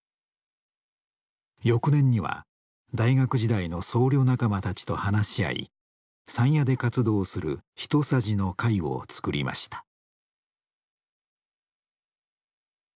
翌年には大学時代の僧侶仲間たちと話し合い山谷で活動する「ひとさじの会」をつくりました。